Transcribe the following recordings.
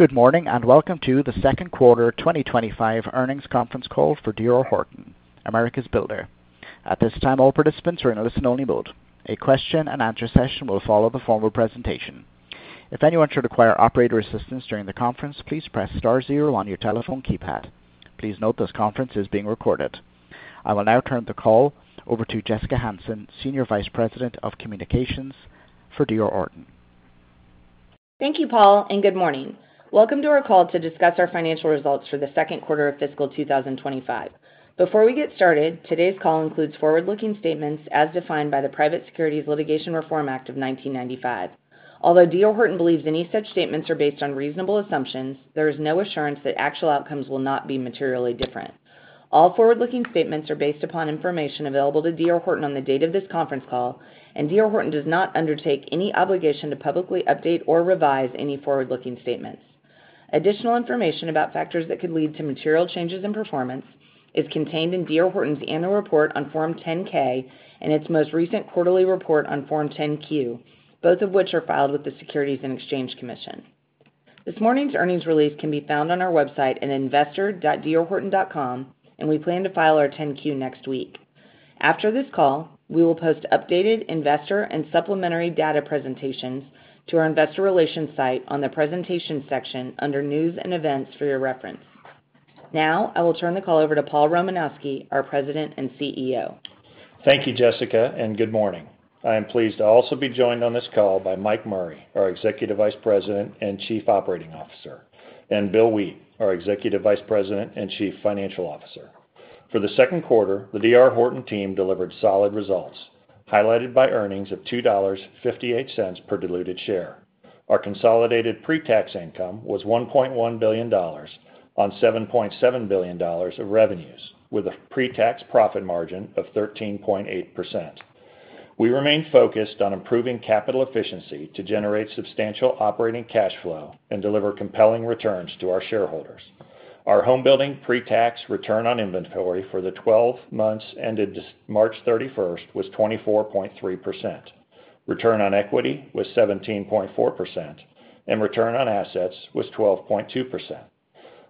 Good morning and welcome to the Second Quarter 2025 Earnings Conference Call for D.R. Horton, America's Builder. At this time, all participants are in listen-only mode. A question-and-answer session will follow the formal presentation. If anyone should require operator assistance during the conference, please press star zero on your telephone keypad. Please note this conference is being recorded. I will now turn the call over to Jessica Hansen, Senior Vice President of Communications for D.R. Horton. Thank you, Paul, and good morning. Welcome to our call to discuss our financial results for the second quarter of fiscal 2025. Before we get started, today's call includes forward-looking statements as defined by the Private Securities Litigation Reform Act of 1995. Although D.R. Horton believes any such statements are based on reasonable assumptions, there is no assurance that actual outcomes will not be materially different. All forward-looking statements are based upon information available to D.R. Horton on the date of this conference call, and D.R. Horton does not undertake any obligation to publicly update or revise any forward-looking statements. Additional information about factors that could lead to material changes in performance is contained in D.R. Horton's annual report on Form 10-K and its most recent quarterly report on Form 10-Q, both of which are filed with the Securities and Exchange Commission. This morning's earnings release can be found on our website at investor.drhorton.com, and we plan to file our 10-Q next week. After this call, we will post updated investor and supplementary data presentations to our investor relations site on the presentation section under News and Events for your reference. Now, I will turn the call over to Paul Romanowski, our President and CEO. Thank you, Jessica, and good morning. I am pleased to also be joined on this call by Mike Murray, our Executive Vice President and Chief Operating Officer, and Bill Wheat, our Executive Vice President and Chief Financial Officer. For the second quarter, the D.R. Horton team delivered solid results, highlighted by earnings of $2.58 per diluted share. Our consolidated pre-tax income was $1.1 billion on $7.7 billion of revenues, with a pre-tax profit margin of 13.8%. We remain focused on improving capital efficiency to generate substantial operating cash flow and deliver compelling returns to our shareholders. Our home-building pre-tax return on inventory for the 12 months ended March 31st was 24.3%, return on equity was 17.4%, and return on assets was 12.2%.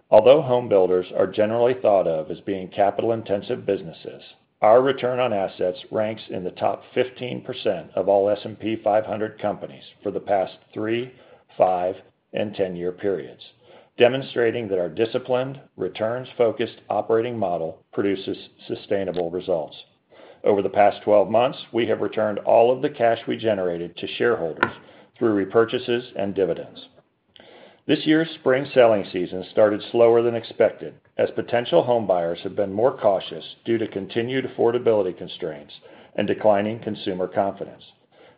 Although home builders are generally thought of as being capital-intensive businesses, our return on assets ranks in the top 15% of all S&P 500 companies for the past three, five, and ten-year periods, demonstrating that our disciplined, returns-focused operating model produces sustainable results. Over the past 12 months, we have returned all of the cash we generated to shareholders through repurchases and dividends. This year's spring selling season started slower than expected, as potential home buyers have been more cautious due to continued affordability constraints and declining consumer confidence.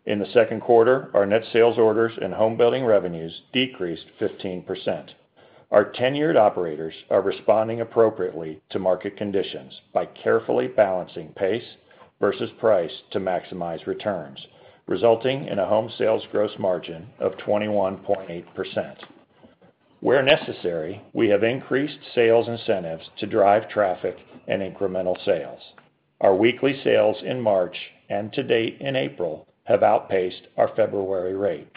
In the second quarter, our net sales orders and home-building revenues decreased 15%. Our tenured operators are responding appropriately to market conditions by carefully balancing pace versus price to maximize returns, resulting in a home sales gross margin of 21.8%. Where necessary, we have increased sales incentives to drive traffic and incremental sales. Our weekly sales in March and to date in April have outpaced our February rate.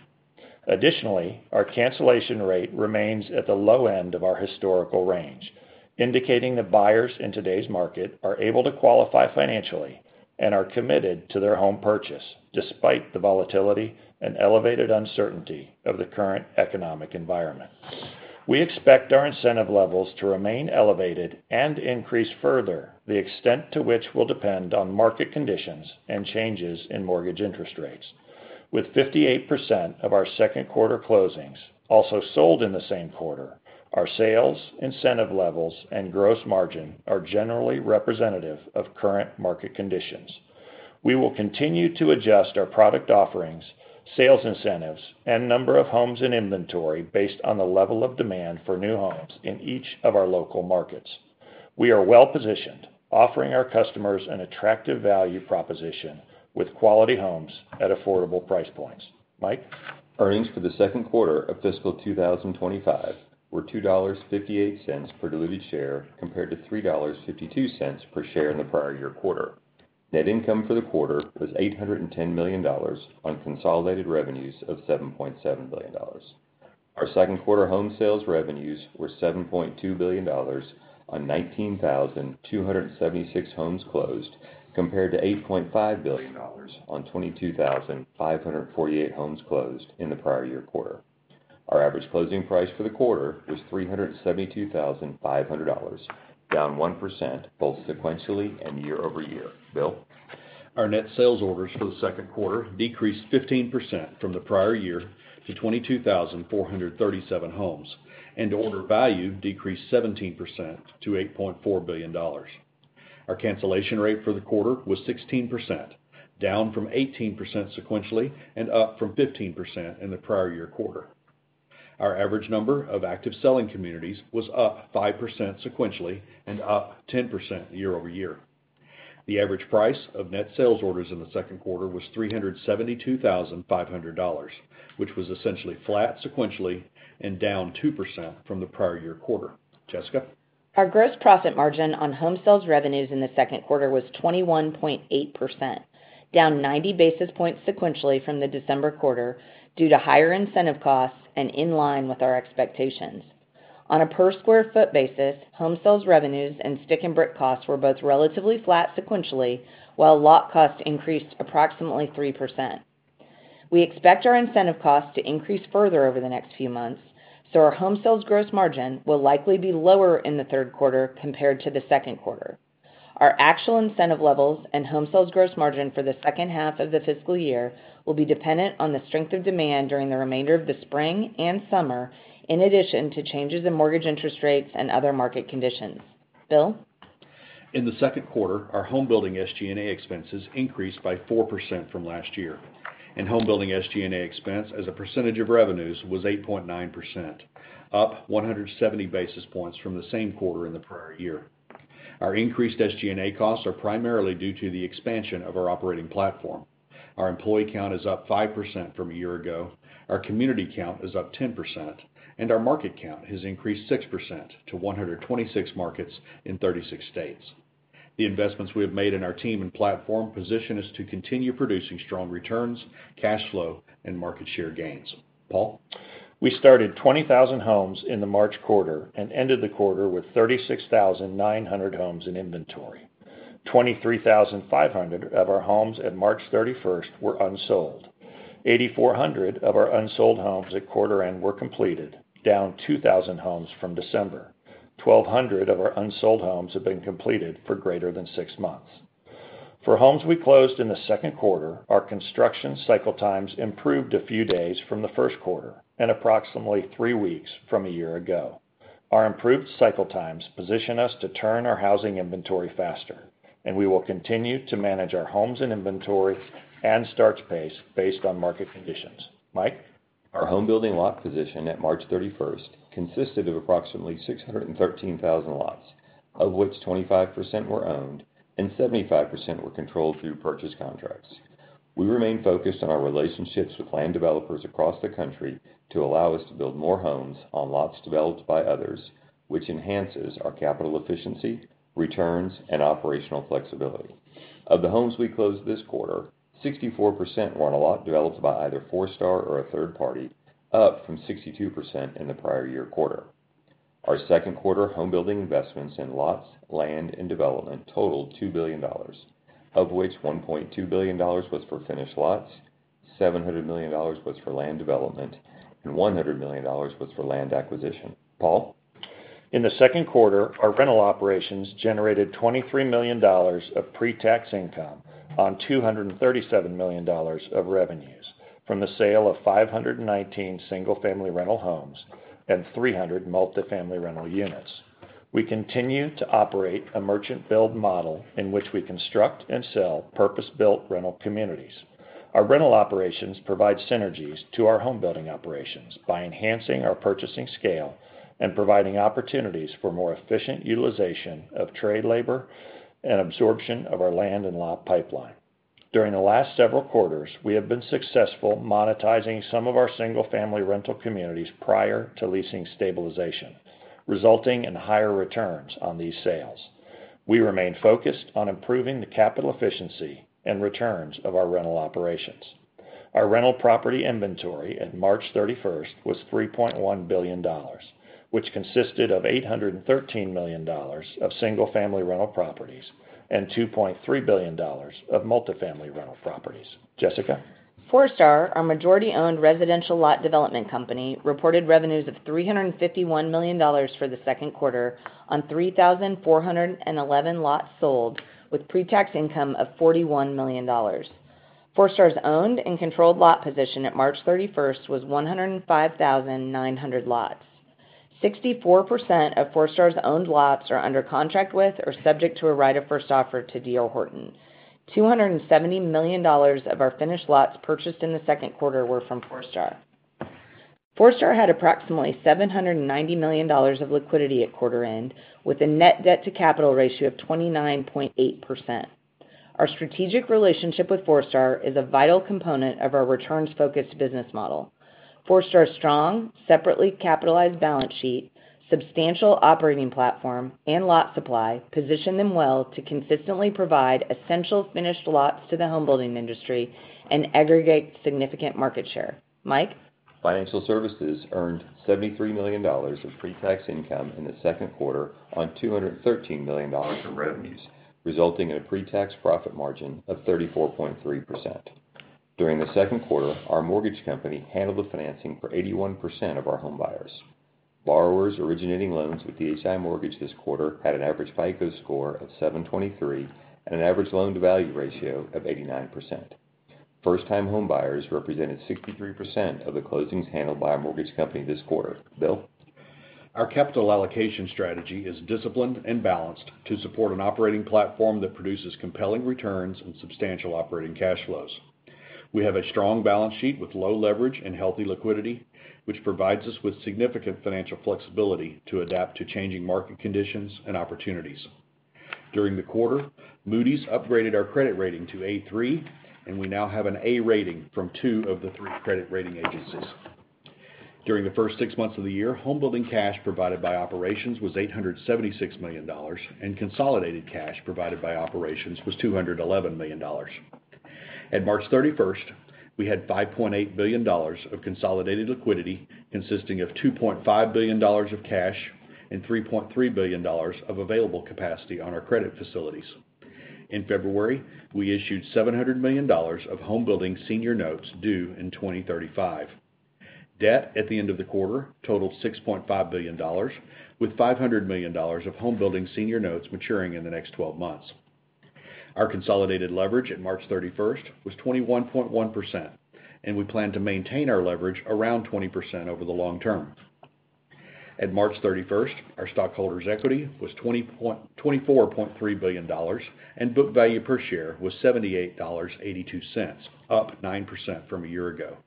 Additionally, our cancellation rate remains at the low end of our historical range, indicating that buyers in today's market are able to qualify financially and are committed to their home purchase despite the volatility and elevated uncertainty of the current economic environment. We expect our incentive levels to remain elevated and increase further, the extent to which will depend on market conditions and changes in mortgage interest rates. With 58% of our second quarter closings also sold in the same quarter, our sales, incentive levels, and gross margin are generally representative of current market conditions. We will continue to adjust our product offerings, sales incentives, and number of homes in inventory based on the level of demand for new homes in each of our local markets. We are well-positioned, offering our customers an attractive value proposition with quality homes at affordable price points. Mike. Earnings for the second quarter of fiscal 2025 were $2.58 per diluted share compared to $3.52 per share in the prior year quarter. Net income for the quarter was $810 million on consolidated revenues of $7.7 billion. Our second quarter home sales revenues were $7.2 billion on 19,276 homes closed compared to $8.5 billion on 22,548 homes closed in the prior year quarter. Our average closing price for the quarter was $372,500, down 1% both sequentially and year-over-year. Bill. Our net sales orders for the second quarter decreased 15% from the prior year to 22,437 homes, and order value decreased 17% to $8.4 billion. Our cancellation rate for the quarter was 16%, down from 18% sequentially and up from 15% in the prior year quarter. Our average number of active selling communities was up 5% sequentially and up 10% year-over-year. The average price of net sales orders in the second quarter was $372,500, which was essentially flat sequentially and down 2% from the prior year quarter. Jessica. Our gross profit margin on home sales revenues in the second quarter was 21.8%, down 90 basis points sequentially from the December quarter due to higher incentive costs and in line with our expectations. On a per-square-foot basis, home sales revenues and stick-and-brick costs were both relatively flat sequentially, while lot cost increased approximately 3%. We expect our incentive costs to increase further over the next few months, so our home sales gross margin will likely be lower in the third quarter compared to the second quarter. Our actual incentive levels and home sales gross margin for the second half of the fiscal year will be dependent on the strength of demand during the remainder of the spring and summer, in addition to changes in mortgage interest rates and other market conditions. Bill. In the second quarter, our home-building SG&A expenses increased by 4% from last year, and home-building SG&A expense as a percentage of revenues was 8.9%, up 170 basis points from the same quarter in the prior year. Our increased SG&A costs are primarily due to the expansion of our operating platform. Our employee count is up 5% from a year ago, our community count is up 10%, and our market count has increased 6% to 126 markets in 36 states. The investments we have made in our team and platform position us to continue producing strong returns, cash flow, and market share gains. Paul. We started 20,000 homes in the March quarter and ended the quarter with 36,900 homes in inventory. 23,500 of our homes at March 31 were unsold. 8,400 of our unsold homes at quarter-end were completed, down 2,000 homes from December. 1,200 of our unsold homes have been completed for greater than six months. For homes we closed in the second quarter, our construction cycle times improved a few days from the first quarter and approximately three weeks from a year ago. Our improved cycle times position us to turn our housing inventory faster, and we will continue to manage our homes in inventory and starts pace based on market conditions. Mike. Our home-building lot position at March 31 consisted of approximately 613,000 lots, of which 25% were owned and 75% were controlled through purchase contracts. We remain focused on our relationships with land developers across the country to allow us to build more homes on lots developed by others, which enhances our capital efficiency, returns, and operational flexibility. Of the homes we closed this quarter, 64% were on a lot developed by either Forestar or a third party, up from 62% in the prior year quarter. Our second quarter home-building investments in lots, land, and development totaled $2 billion, of which $1.2 billion was for finished lots, $700 million was for land development, and $100 million was for land acquisition. Paul. In the second quarter, our rental operations generated $23 million of pre-tax income on $237 million of revenues from the sale of 519 single-family rental homes and 300 multifamily rental units. We continue to operate a merchant-build model in which we construct and sell purpose-built rental communities. Our rental operations provide synergies to our home-building operations by enhancing our purchasing scale and providing opportunities for more efficient utilization of trade labor and absorption of our land and lot pipeline. During the last several quarters, we have been successful monetizing some of our single-family rental communities prior to leasing stabilization, resulting in higher returns on these sales. We remain focused on improving the capital efficiency and returns of our rental operations. Our rental property inventory at March 31 was $3.1 billion, which consisted of $813 million of single-family rental properties and $2.3 billion of multifamily rental properties. Jessica. Forestar, our majority-owned residential lot development company, reported revenues of $351 million for the second quarter on 3,411 lots sold with pre-tax income of $41 million. Forestar's owned and controlled lot position at March 31 was 105,900 lots. 64% of Forestar's owned lots are under contract with or subject to a right of first offer to D.R. Horton. $270 million of our finished lots purchased in the second quarter were from Forestar. Forestar had approximately $790 million of liquidity at quarter-end with a net debt-to-capital ratio of 29.8%. Our strategic relationship with Forestar is a vital component of our returns-focused business model. Forestar's strong, separately capitalized balance sheet, substantial operating platform, and lot supply position them well to consistently provide essential finished lots to the homebuilding industry and aggregate significant market share. Mike. Financial Services earned $73 million of pre-tax income in the second quarter on $213 million of revenues, resulting in a pre-tax profit margin of 34.3%. During the second quarter, our mortgage company handled the financing for 81% of our home buyers. Borrowers originating loans with DHI Mortgage this quarter had an average FICO score of 723 and an average loan-to-value ratio of 89%. First-time home buyers represented 63% of the closings handled by our mortgage company this quarter. Bill. Our capital allocation strategy is disciplined and balanced to support an operating platform that produces compelling returns and substantial operating cash flows. We have a strong balance sheet with low leverage and healthy liquidity, which provides us with significant financial flexibility to adapt to changing market conditions and opportunities. During the quarter, Moody's upgraded our credit rating to A3, and we now have an A rating from two of the three credit rating agencies. During the first six months of the year, homebuilding cash provided by operations was $876 million, and consolidated cash provided by operations was $211 million. At March 31, we had $5.8 billion of consolidated liquidity consisting of $2.5 billion of cash and $3.3 billion of available capacity on our credit facilities. In February, we issued $700 million of homebuilding senior notes due in 2035. Debt at the end of the quarter totaled $6.5 billion, with $500 million of home-building senior notes maturing in the next 12 months. Our consolidated leverage at March 31 was 21.1%, and we plan to maintain our leverage around 20% over the long term. At March 31, our stockholders' equity was $24.3 billion, and book value per share was $78.82, up 9% from a year ago.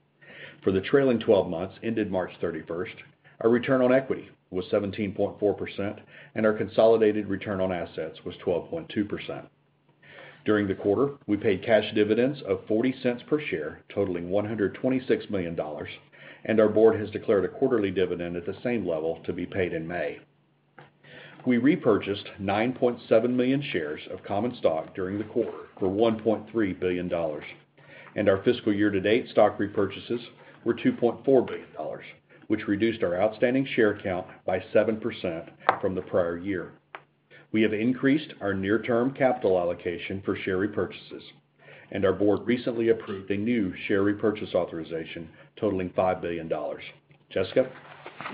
For the trailing 12 months ended March 31, our return on equity was 17.4%, and our consolidated return on assets was 12.2%. During the quarter, we paid cash dividends of $0.40 per share, totaling $126 million, and our board has declared a quarterly dividend at the same level to be paid in May. We repurchased 9.7 million shares of common stock during the quarter for $1.3 billion, and our fiscal year-to-date stock repurchases were $2.4 billion, which reduced our outstanding share count by 7% from the prior year. We have increased our near-term capital allocation for share repurchases, and our board recently approved a new share repurchase authorization totaling $5 billion. Jessica.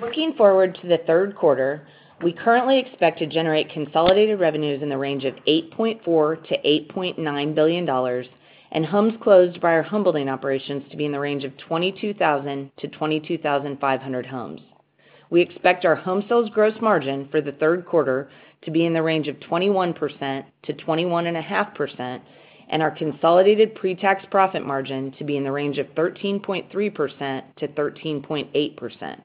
Looking forward to the third quarter, we currently expect to generate consolidated revenues in the range of $8.4 billion-$8.9 billion and homes closed by our homebuilding operations to be in the range of 22,000-22,500 homes. We expect our home sales gross margin for the third quarter to be in the range of 21%-21.5%, and our consolidated pre-tax profit margin to be in the range of 13.3%-13.8%.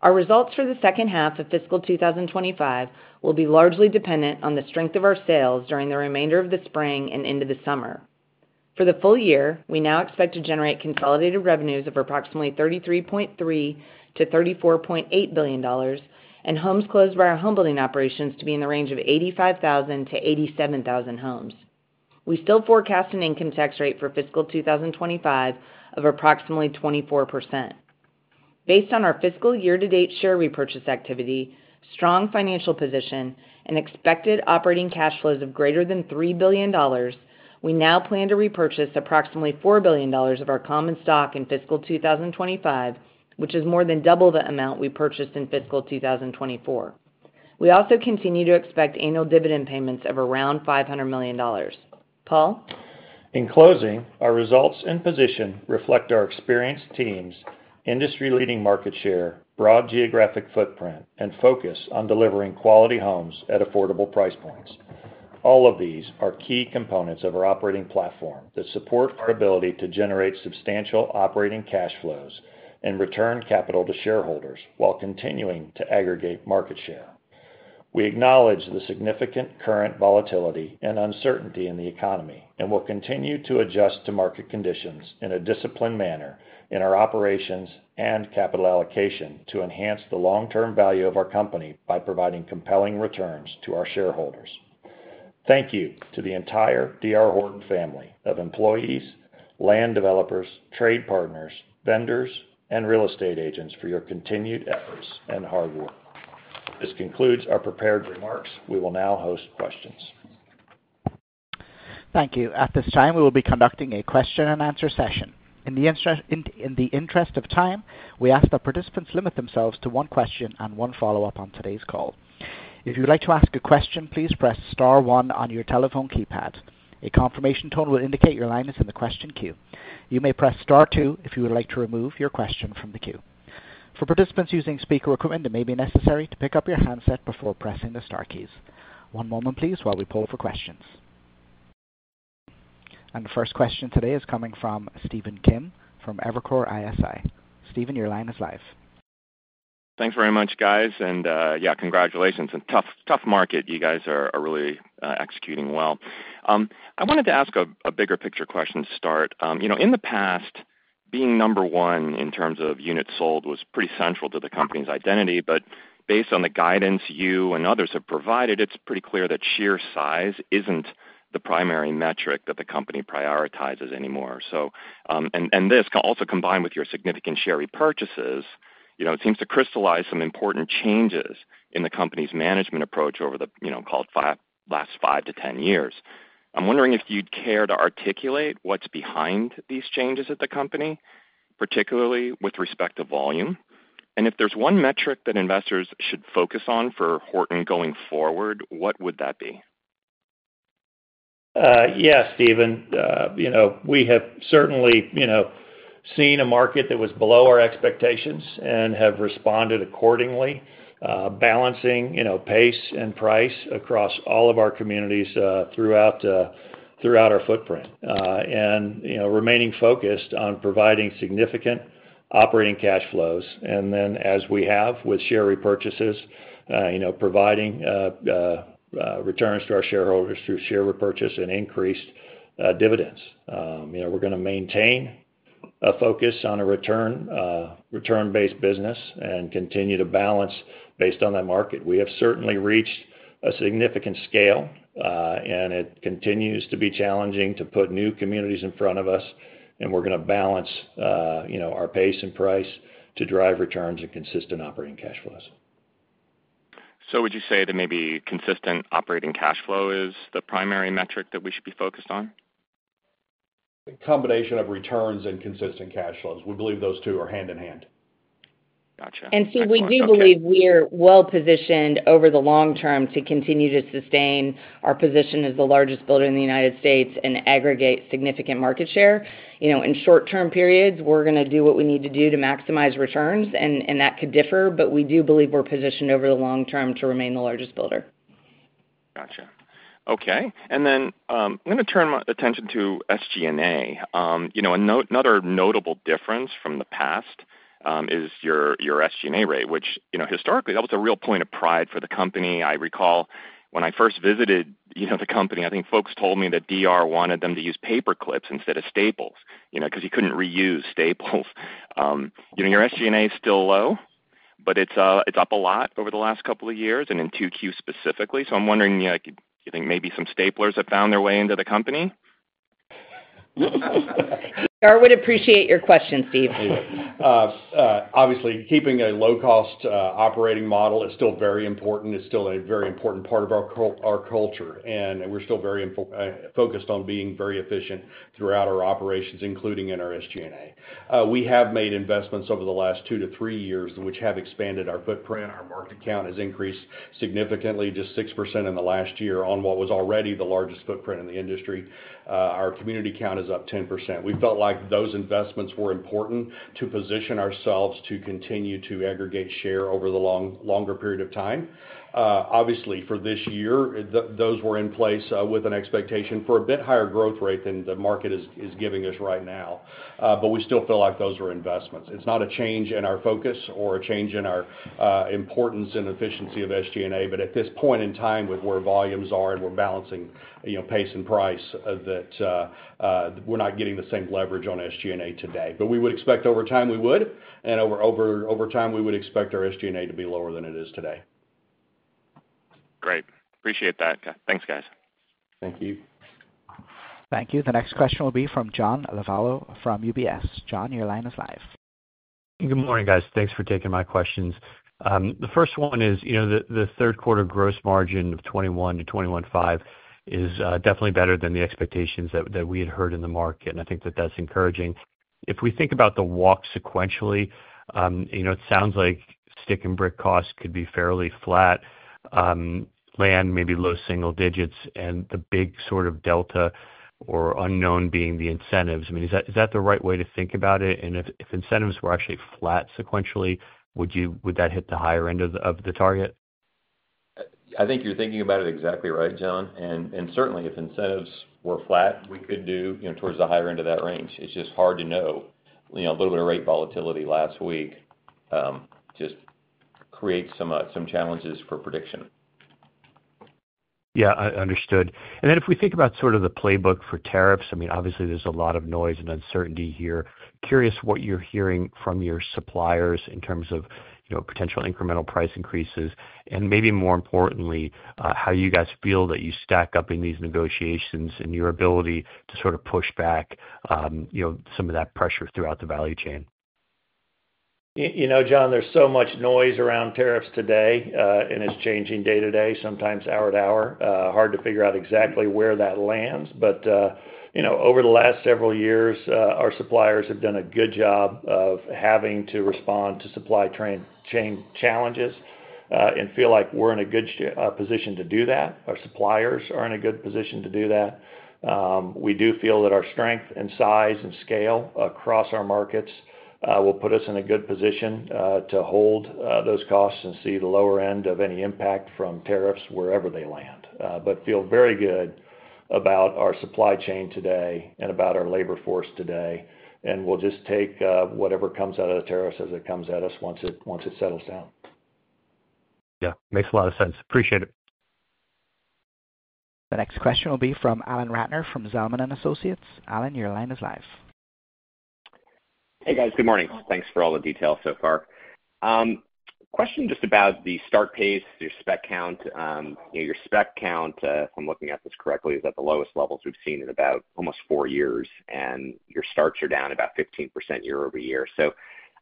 Our results for the second half of fiscal 2025 will be largely dependent on the strength of our sales during the remainder of the spring and into the summer. For the full year, we now expect to generate consolidated revenues of approximately $33.3 billion-$34.8 billion, and homes closed by our homebuilding operations to be in the range of 85,000-87,000 homes. We still forecast an income tax rate for fiscal 2025 of approximately 24%. Based on our fiscal year-to-date share repurchase activity, strong financial position, and expected operating cash flows of greater than $3 billion, we now plan to repurchase approximately $4 billion of our common stock in fiscal 2025, which is more than double the amount we purchased in fiscal 2024. We also continue to expect annual dividend payments of around $500 million. Paul. In closing, our results and position reflect our experienced teams, industry-leading market share, broad geographic footprint, and focus on delivering quality homes at affordable price points. All of these are key components of our operating platform that support our ability to generate substantial operating cash flows and return capital to shareholders while continuing to aggregate market share. We acknowledge the significant current volatility and uncertainty in the economy and will continue to adjust to market conditions in a disciplined manner in our operations and capital allocation to enhance the long-term value of our company by providing compelling returns to our shareholders. Thank you to the entire D.R. Horton family of employees, land developers, trade partners, vendors, and real estate agents for your continued efforts and hard work. This concludes our prepared remarks. We will now host questions. Thank you. At this time, we will be conducting a question-and-answer session. In the interest of time, we ask that participants limit themselves to one question and one follow-up on today's call. If you'd like to ask a question, please press star one on your telephone keypad. A confirmation tone will indicate your line is in the question queue. You may press star two if you would like to remove your question from the queue. For participants using speaker equipment, it may be necessary to pick up your handset before pressing the star keys. One moment, please, while we pull for questions. The first question today is coming from Stephen Kim from Evercore ISI. Stephen, your line is live. Thanks very much, guys. Yeah, congratulations. Tough market. You guys are really executing well. I wanted to ask a bigger picture question to start. In the past, being number one in terms of units sold was pretty central to the company's identity, but based on the guidance you and others have provided, it's pretty clear that sheer size isn't the primary metric that the company prioritizes anymore. This can also combine with your significant share repurchases. It seems to crystallize some important changes in the company's management approach over the last 5 to 10 years. I'm wondering if you'd care to articulate what's behind these changes at the company, particularly with respect to volume. If there's one metric that investors should focus on for Horton going forward, what would that be? Yes, Stephen. We have certainly seen a market that was below our expectations and have responded accordingly, balancing pace and price across all of our communities throughout our footprint and remaining focused on providing significant operating cash flows. As we have with share repurchases, providing returns to our shareholders through share repurchase and increased dividends. We are going to maintain a focus on a return-based business and continue to balance based on that market. We have certainly reached a significant scale, and it continues to be challenging to put new communities in front of us, and we are going to balance our pace and price to drive returns and consistent operating cash flows. Would you say that maybe consistent operating cash flow is the primary metric that we should be focused on? A combination of returns and consistent cash flows. We believe those two are hand in hand. Gotcha. Stephen, we do believe we are well positioned over the long term to continue to sustain our position as the largest builder in the United States and aggregate significant market share. In short-term periods, we're going to do what we need to do to maximize returns, and that could differ, but we do believe we're positioned over the long term to remain the largest builder. Gotcha. Okay. I am going to turn my attention to SG&A. Another notable difference from the past is your SG&A rate, which historically, that was a real point of pride for the company. I recall when I first visited the company, I think folks told me that D.R. wanted them to use paperclips instead of staples because he could not reuse staples. Your SG&A is still low, but it is up a lot over the last couple of years and in 2Q specifically. I am wondering, do you think maybe some staplers have found their way into the company? I would appreciate your question, Steve. Obviously, keeping a low-cost operating model is still very important. It's still a very important part of our culture, and we're still very focused on being very efficient throughout our operations, including in our SG&A. We have made investments over the last two to three years, which have expanded our footprint. Our market count has increased significantly, just 6% in the last year on what was already the largest footprint in the industry. Our community count is up 10%. We felt like those investments were important to position ourselves to continue to aggregate share over the longer period of time. Obviously, for this year, those were in place with an expectation for a bit higher growth rate than the market is giving us right now, but we still feel like those were investments. It's not a change in our focus or a change in our importance and efficiency of SG&A, but at this point in time, with where volumes are and we're balancing pace and price, that we're not getting the same leverage on SG&A today. We would expect over time we would, and over time, we would expect our SG&A to be lower than it is today. Great. Appreciate that. Thanks, guys. Thank you. Thank you. The next question will be from John Lovallo from UBS. John, your line is live. Good morning, guys. Thanks for taking my questions. The first one is the third quarter gross margin of 21%-21.5% is definitely better than the expectations that we had heard in the market, and I think that that's encouraging. If we think about the walk sequentially, it sounds like stick and brick costs could be fairly flat, land maybe low single digits, and the big sort of delta or unknown being the incentives. I mean, is that the right way to think about it? If incentives were actually flat sequentially, would that hit the higher end of the target? I think you're thinking about it exactly right, John. Certainly, if incentives were flat, we could do towards the higher end of that range. It's just hard to know. A little bit of rate volatility last week just creates some challenges for prediction. Yeah, I understood. If we think about sort of the playbook for tariffs, I mean, obviously, there's a lot of noise and uncertainty here. Curious what you're hearing from your suppliers in terms of potential incremental price increases and maybe more importantly, how you guys feel that you stack up in these negotiations and your ability to sort of push back some of that pressure throughout the value chain. You know, John, there's so much noise around tariffs today, and it's changing day to day, sometimes hour to hour. Hard to figure out exactly where that lands, but over the last several years, our suppliers have done a good job of having to respond to supply chain challenges and feel like we're in a good position to do that. Our suppliers are in a good position to do that. We do feel that our strength and size and scale across our markets will put us in a good position to hold those costs and see the lower end of any impact from tariffs wherever they land, but feel very good about our supply chain today and about our labor force today, and we'll just take whatever comes out of the tariffs as it comes at us once it settles down. Yeah, makes a lot of sense. Appreciate it. The next question will be from Alan Ratner from Zelman & Associates. Alan, your line is live. Hey, guys. Good morning. Thanks for all the details so far. Question just about the start pace, your spec count. Your spec count, if I'm looking at this correctly, is at the lowest levels we've seen in about almost four years, and your starts are down about 15% year-over-year.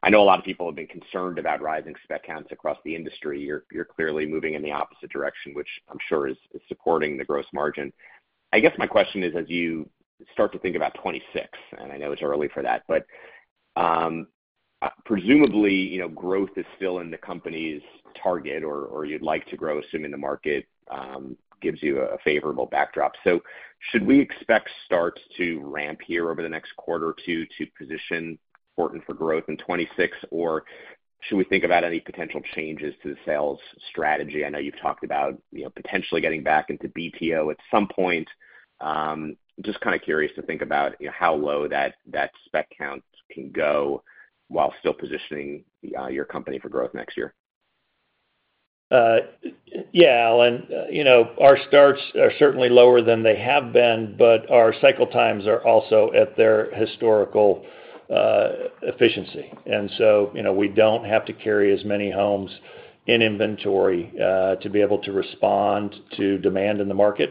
I know a lot of people have been concerned about rising spec counts across the industry. You're clearly moving in the opposite direction, which I'm sure is supporting the gross margin. I guess my question is, as you start to think about 2026, and I know it's early for that, but presumably growth is still in the company's target or you'd like to grow, assuming the market gives you a favorable backdrop. Should we expect starts to ramp here over the next quarter or two to position Horton for growth in 2026, or should we think about any potential changes to the sales strategy? I know you've talked about potentially getting back into BTO at some point. Just kind of curious to think about how low that spec count can go while still positioning your company for growth next year. Yeah, Alan. Our starts are certainly lower than they have been, but our cycle times are also at their historical efficiency. We do not have to carry as many homes in inventory to be able to respond to demand in the market.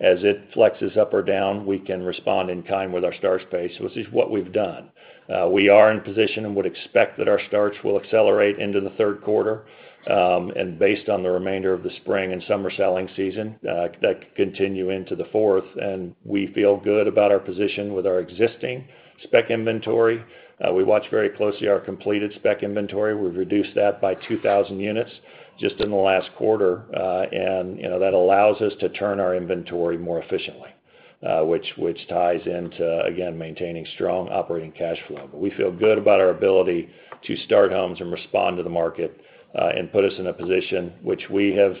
As it flexes up or down, we can respond in kind with our start space, which is what we have done. We are in position and would expect that our starts will accelerate into the third quarter. Based on the remainder of the spring and summer selling season, that could continue into the fourth, and we feel good about our position with our existing spec inventory. We watch very closely our completed spec inventory. We have reduced that by 2,000 units just in the last quarter, and that allows us to turn our inventory more efficiently, which ties into, again, maintaining strong operating cash flow. We feel good about our ability to start homes and respond to the market and put us in a position which we have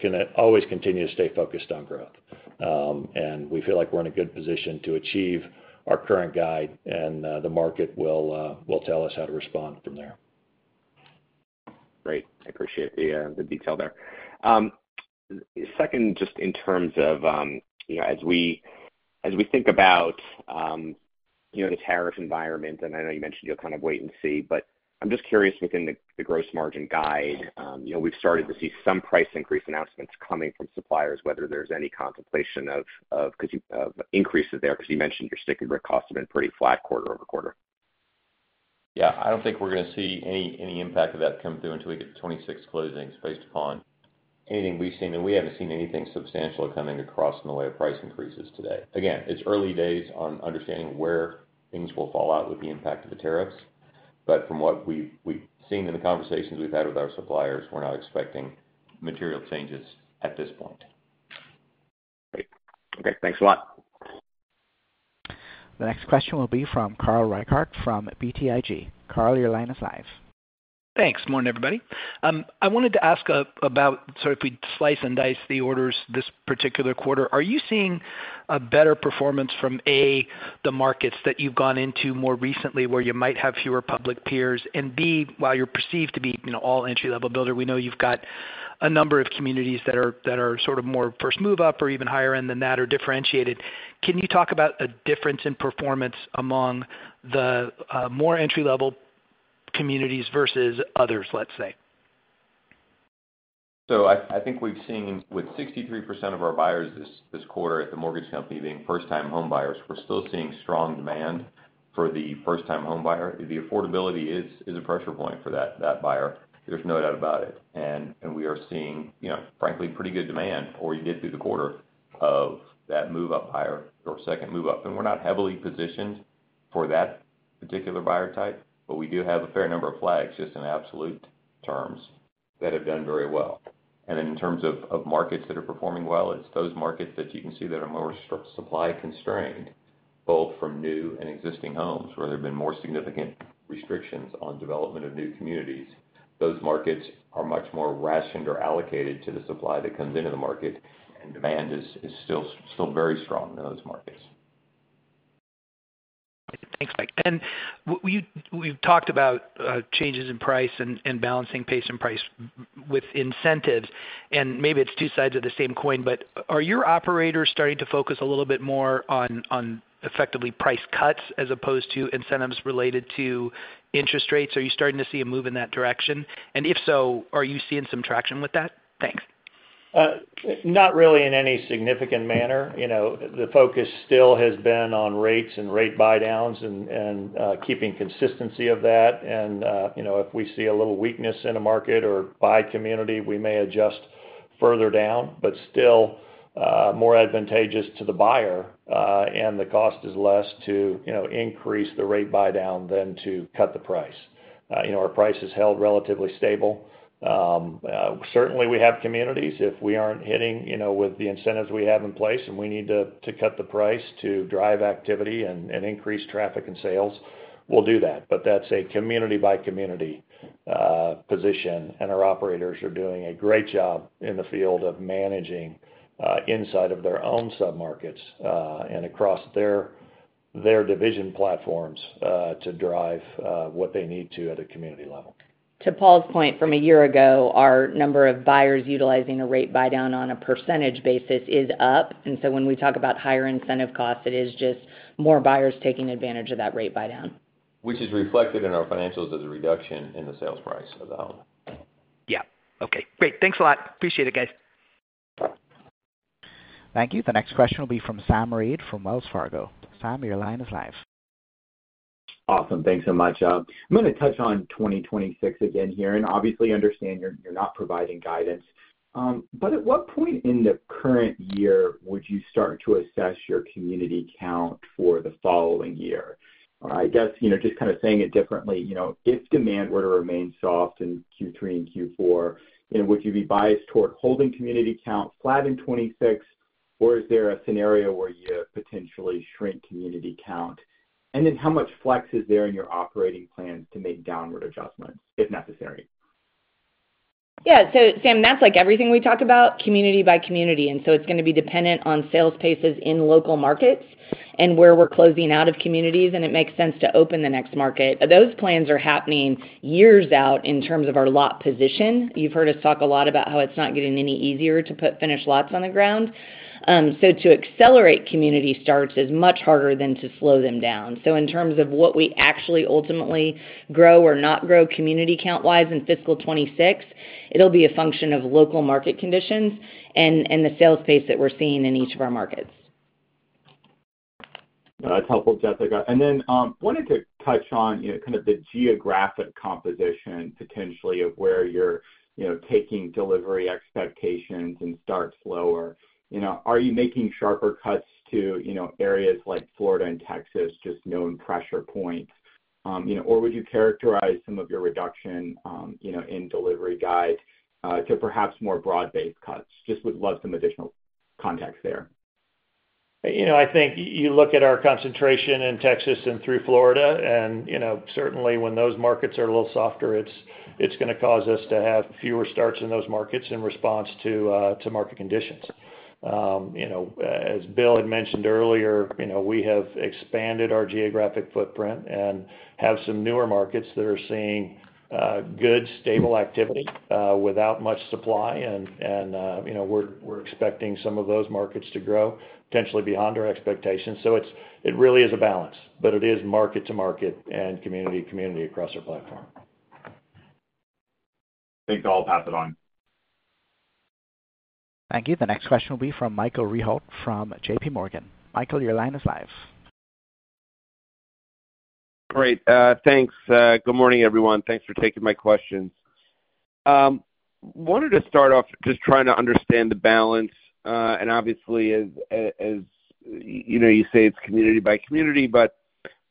can always continue to stay focused on growth. We feel like we're in a good position to achieve our current guide, and the market will tell us how to respond from there. Great. I appreciate the detail there. Second, just in terms of as we think about the tariff environment, and I know you mentioned you'll kind of wait and see, but I'm just curious within the gross margin guide, we've started to see some price increase announcements coming from suppliers, whether there's any contemplation of increases there because you mentioned your stick and brick costs have been pretty flat quarter-over-quarter. Yeah, I don't think we're going to see any impact of that come through until we get to 2026 closings based upon anything we've seen. We haven't seen anything substantial coming across in the way of price increases today. Again, it's early days on understanding where things will fall out with the impact of the tariffs. From what we've seen in the conversations we've had with our suppliers, we're not expecting material changes at this point. Great. Okay. Thanks a lot. The next question will be from Carl Reichardt from BTIG. Carl, your line is live. Thanks. Morning, everybody. I wanted to ask about sort of if we slice and dice the orders this particular quarter, are you seeing a better performance from, A, the markets that you've gone into more recently where you might have fewer public peers, and, B, while you're perceived to be an all-entry-level builder, we know you've got a number of communities that are sort of more first move-up or even higher end than that or differentiated. Can you talk about a difference in performance among the more entry-level communities versus others, let's say? I think we've seen with 63% of our buyers this quarter at the mortgage company being first-time home buyers, we're still seeing strong demand for the first-time home buyer. The affordability is a pressure point for that buyer. There's no doubt about it. We are seeing, frankly, pretty good demand, or we did through the quarter, of that move-up buyer or second move-up. We're not heavily positioned for that particular buyer type, but we do have a fair number of flags just in absolute terms that have done very well. In terms of markets that are performing well, it's those markets that you can see that are more supply constrained, both from new and existing homes where there have been more significant restrictions on development of new communities. Those markets are much more rationed or allocated to the supply that comes into the market, and demand is still very strong in those markets. Thanks, Mike. We've talked about changes in price and balancing pace and price with incentives. Maybe it's two sides of the same coin, but are your operators starting to focus a little bit more on effectively price cuts as opposed to incentives related to interest rates? Are you starting to see a move in that direction? If so, are you seeing some traction with that? Thanks. Not really in any significant manner. The focus still has been on rates and rate buydowns and keeping consistency of that. If we see a little weakness in a market or by community, we may adjust further down, but still more advantageous to the buyer, and the cost is less to increase the rate buydown than to cut the price. Our price has held relatively stable. Certainly, we have communities. If we are not hitting with the incentives we have in place and we need to cut the price to drive activity and increase traffic and sales, we will do that. That is a community-by-community position, and our operators are doing a great job in the field of managing inside of their own sub-markets and across their division platforms to drive what they need to at a community level. To Paul's point, from a year ago, our number of buyers utilizing a rate buydown on a percentage basis is up. When we talk about higher incentive costs, it is just more buyers taking advantage of that rate buydown. Which is reflected in our financials as a reduction in the sales price of the home. Yeah. Okay. Great. Thanks a lot. Appreciate it, guys. Thank you. The next question will be from Sam Reid from Wells Fargo. Sam, your line is live. Awesome. Thanks so much. I'm going to touch on 2026 again here, and obviously, I understand you're not providing guidance, but at what point in the current year would you start to assess your community count for the following year? I guess just kind of saying it differently, if demand were to remain soft in Q3 and Q4, would you be biased toward holding community count flat in 2026, or is there a scenario where you potentially shrink community count? And then how much flex is there in your operating plans to make downward adjustments if necessary? Yeah. Sam, that's like everything we talk about, community by community. It's going to be dependent on sales paces in local markets and where we're closing out of communities, and it makes sense to open the next market. Those plans are happening years out in terms of our lot position. You've heard us talk a lot about how it's not getting any easier to put finished lots on the ground. To accelerate community starts is much harder than to slow them down. In terms of what we actually ultimately grow or not grow community count-wise in fiscal 2026, it'll be a function of local market conditions and the sales pace that we're seeing in each of our markets. That's helpful, Jessica. I wanted to touch on kind of the geographic composition potentially of where you're taking delivery expectations and starts lower. Are you making sharper cuts to areas like Florida and Texas, just known pressure points? Would you characterize some of your reduction in delivery guide to perhaps more broad-based cuts? Just would love some additional context there. I think you look at our concentration in Texas and through Florida, and certainly when those markets are a little softer, it's going to cause us to have fewer starts in those markets in response to market conditions. As Bill had mentioned earlier, we have expanded our geographic footprint and have some newer markets that are seeing good stable activity without much supply, and we're expecting some of those markets to grow potentially beyond our expectations. It really is a balance, but it is market to market and community to community across our platform. Thanks, all. Pass it on. Thank you. The next question will be from Michael Rehaut from JPMorgan. Michael, your line is live. Great. Thanks. Good morning, everyone. Thanks for taking my questions. Wanted to start off just trying to understand the balance. Obviously, as you say, it's community by community, but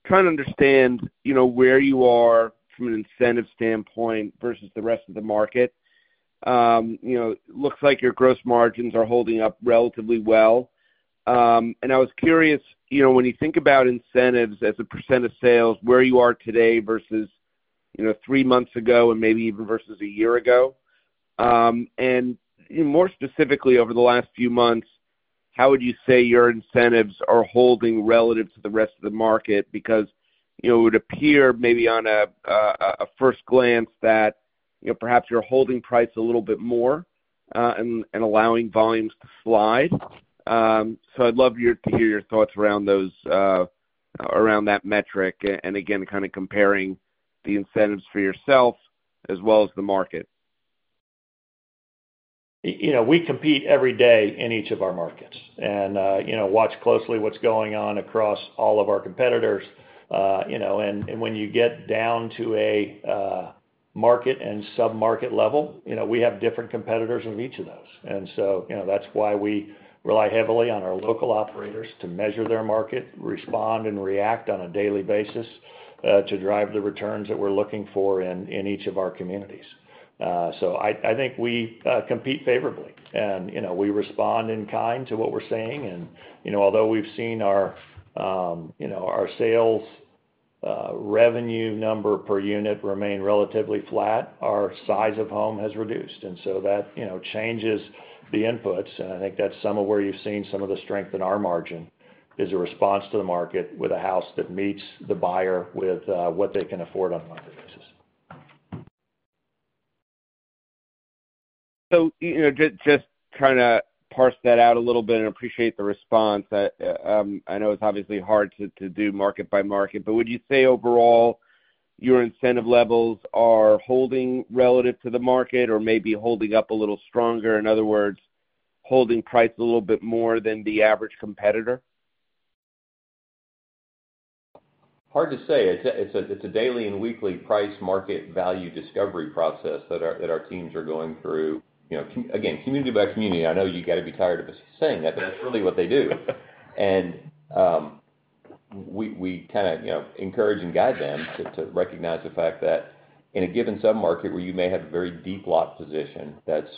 trying to understand where you are from an incentive standpoint versus the rest of the market. It looks like your gross margins are holding up relatively well. I was curious, when you think about incentives as a percent of sales, where you are today versus three months ago and maybe even versus a year ago? More specifically, over the last few months, how would you say your incentives are holding relative to the rest of the market? It would appear maybe on a first glance that perhaps you're holding price a little bit more and allowing volumes to slide. I'd love to hear your thoughts around that metric and, again, kind of comparing the incentives for yourself as well as the market. We compete every day in each of our markets and watch closely what's going on across all of our competitors. When you get down to a market and sub-market level, we have different competitors at each of those. That is why we rely heavily on our local operators to measure their market, respond, and react on a daily basis to drive the returns that we're looking for in each of our communities. I think we compete favorably, and we respond in kind to what we're seeing. Although we've seen our sales revenue number per unit remain relatively flat, our size of home has reduced. That changes the inputs. I think that's some of where you've seen some of the strength in our margin is a response to the market with a house that meets the buyer with what they can afford on a market basis. Just trying to parse that out a little bit and appreciate the response. I know it's obviously hard to do market by market, but would you say overall your incentive levels are holding relative to the market or maybe holding up a little stronger? In other words, holding price a little bit more than the average competitor? Hard to say. It's a daily and weekly price market value discovery process that our teams are going through. Again, community by community, I know you got to be tired of us saying that, but that's really what they do. We kind of encourage and guide them to recognize the fact that in a given sub-market where you may have a very deep lot position that's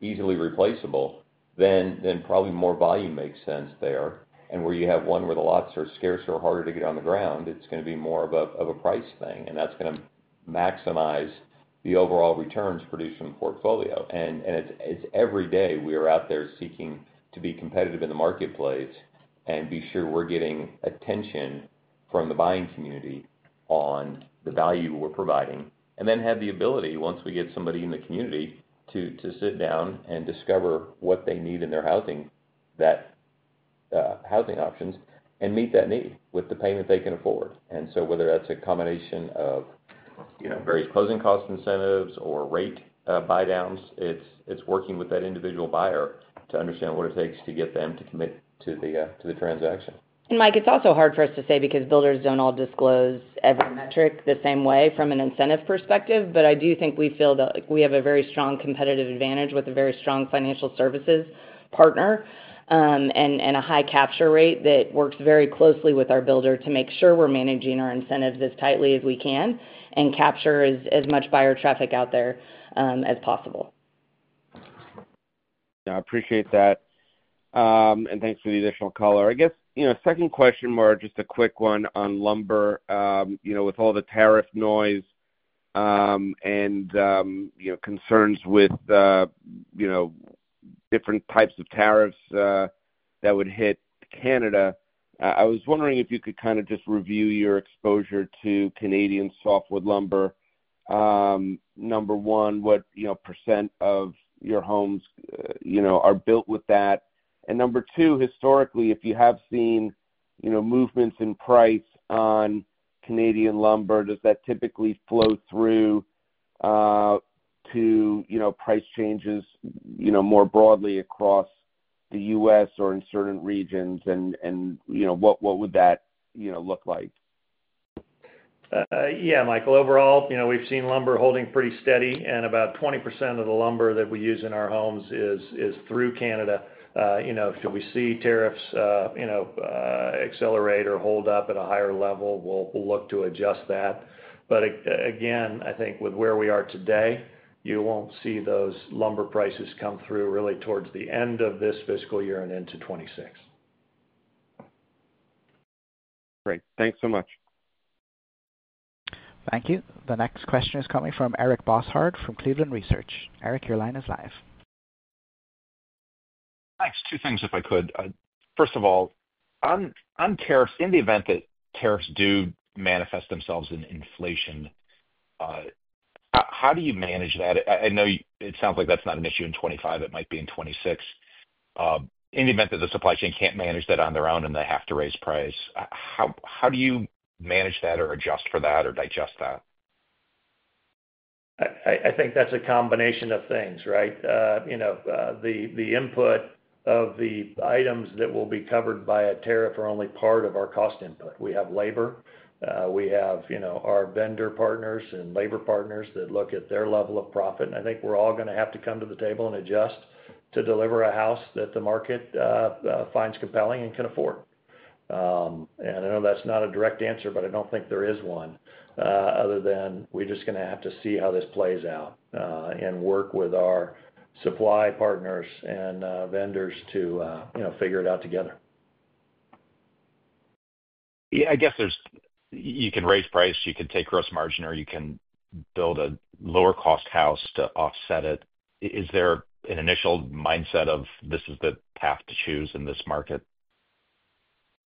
easily replaceable, then probably more volume makes sense there. Where you have one where the lots are scarcer or harder to get on the ground, it's going to be more of a price thing, and that's going to maximize the overall returns produced from the portfolio. It's every day we are out there seeking to be competitive in the marketplace and be sure we're getting attention from the buying community on the value we're providing. We have the ability, once we get somebody in the community, to sit down and discover what they need in their housing options and meet that need with the payment they can afford. Whether that's a combination of various closing cost incentives or rate buydowns, it's working with that individual buyer to understand what it takes to get them to commit to the transaction. Mike, it's also hard for us to say because builders don't all disclose every metric the same way from an incentive perspective, but I do think we feel that we have a very strong competitive advantage with a very strong financial services partner and a high capture rate that works very closely with our builder to make sure we're managing our incentives as tightly as we can and capture as much buyer traffic out there as possible. Yeah. I appreciate that. Thanks for the additional color. I guess second question, more just a quick one on lumber with all the tariff noise and concerns with different types of tariffs that would hit Canada. I was wondering if you could kind of just review your exposure to Canadian softwood lumber. Number one, what % of your homes are built with that? Number two, historically, if you have seen movements in price on Canadian lumber, does that typically flow through to price changes more broadly across the U.S. or in certain regions, and what would that look like? Yeah, Michael. Overall, we've seen lumber holding pretty steady, and about 20% of the lumber that we use in our homes is through Canada. Should we see tariffs accelerate or hold up at a higher level, we'll look to adjust that. Again, I think with where we are today, you won't see those lumber prices come through really towards the end of this fiscal year and into 2026. Great. Thanks so much. Thank you. The next question is coming from Eric Bosshard from Cleveland Research. Eric, your line is live. Thanks. Two things, if I could. First of all, in the event that tariffs do manifest themselves in inflation, how do you manage that? I know it sounds like that's not an issue in 2025. It might be in 2026. In the event that the supply chain can't manage that on their own and they have to raise price, how do you manage that or adjust for that or digest that? I think that's a combination of things, right? The input of the items that will be covered by a tariff are only part of our cost input. We have labor. We have our vendor partners and labor partners that look at their level of profit. I think we're all going to have to come to the table and adjust to deliver a house that the market finds compelling and can afford. I know that's not a direct answer, but I don't think there is one other than we're just going to have to see how this plays out and work with our supply partners and vendors to figure it out together. Yeah. I guess you can raise price, you can take gross margin, or you can build a lower-cost house to offset it. Is there an initial mindset of, "This is the path to choose in this market"?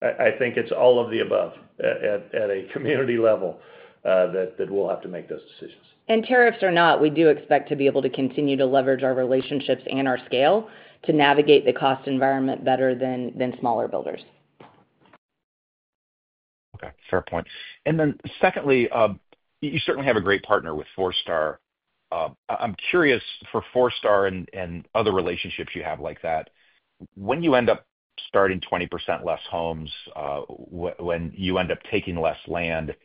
I think it's all of the above at a community level that we'll have to make those decisions. Tariffs or not, we do expect to be able to continue to leverage our relationships and our scale to navigate the cost environment better than smaller builders. Okay. Fair point. Secondly, you certainly have a great partner with Forestar. I'm curious, for Forestar and other relationships you have like that, when you end up starting 20% less homes, when you end up taking less land,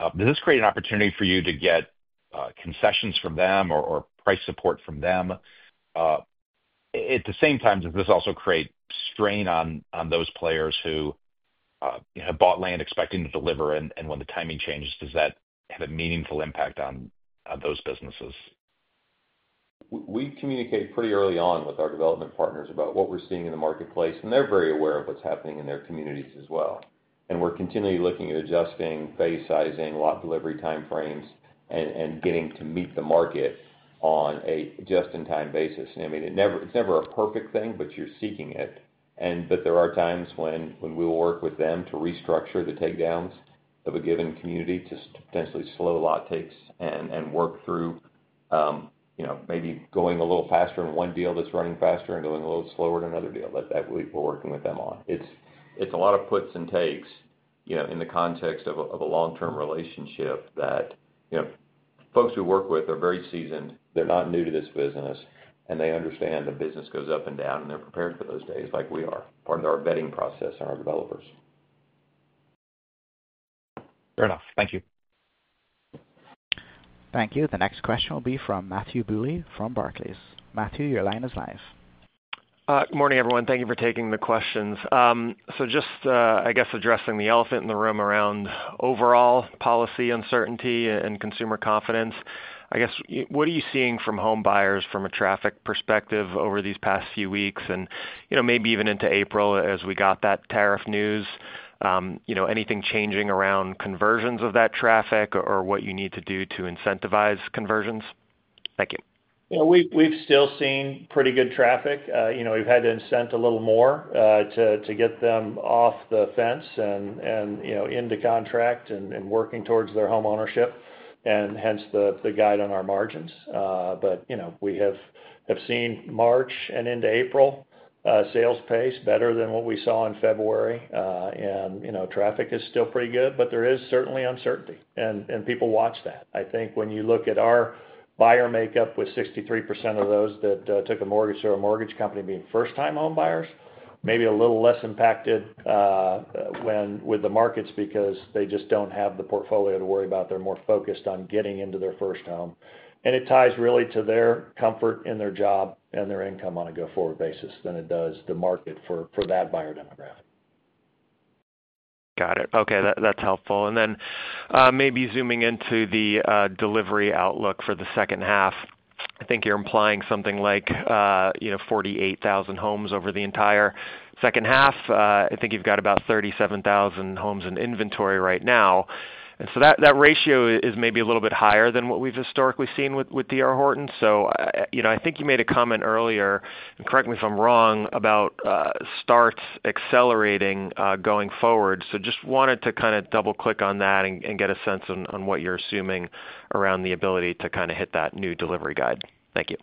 does this create an opportunity for you to get concessions from them or price support from them? At the same time, does this also create strain on those players who have bought land expecting to deliver? When the timing changes, does that have a meaningful impact on those businesses? We communicate pretty early on with our development partners about what we're seeing in the marketplace, and they're very aware of what's happening in their communities as well. We're continually looking at adjusting, phase-sizing, lot delivery timeframes, and getting to meet the market on a just-in-time basis. I mean, it's never a perfect thing, but you're seeking it. There are times when we will work with them to restructure the takedowns of a given community to potentially slow lot takes and work through maybe going a little faster in one deal that's running faster and going a little slower in another deal that we're working with them on. It's a lot of puts and takes in the context of a long-term relationship that folks we work with are very seasoned. They're not new to this business, and they understand the business goes up and down, and they're prepared for those days like we are. Part of our vetting process are our developers. Fair enough. Thank you. Thank you. The next question will be from Matthew Bouley from Barclays. Matthew, your line is live. Good morning, everyone. Thank you for taking the questions. Just, I guess, addressing the elephant in the room around overall policy uncertainty and consumer confidence. I guess, what are you seeing from home buyers from a traffic perspective over these past few weeks and maybe even into April as we got that tariff news? Anything changing around conversions of that traffic or what you need to do to incentivize conversions? Thank you. We've still seen pretty good traffic. We've had to incent a little more to get them off the fence and into contract and working towards their homeownership and hence the guide on our margins. We have seen March and into April sales pace better than what we saw in February. Traffic is still pretty good, but there is certainly uncertainty. People watch that. I think when you look at our buyer makeup with 63% of those that took a mortgage through our mortgage company being first-time home buyers, maybe a little less impacted with the markets because they just don't have the portfolio to worry about. They're more focused on getting into their first home. It ties really to their comfort in their job and their income on a go-forward basis than it does the market for that buyer demographic. Got it. Okay. That's helpful. Maybe zooming into the delivery outlook for the second half. I think you're implying something like 48,000 homes over the entire second half. I think you've got about 37,000 homes in inventory right now. That ratio is maybe a little bit higher than what we've historically seen with D.R. Horton. I think you made a comment earlier, and correct me if I'm wrong, about starts accelerating going forward. I just wanted to kind of double-click on that and get a sense on what you're assuming around the ability to kind of hit that new delivery guide. Thank you.